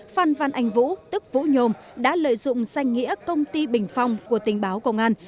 phan văn anh vũ tức vũ nhôm đã lợi dụng danh nghĩa công ty bình phong của tình báo công an